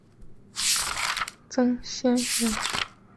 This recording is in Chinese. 曾铣人。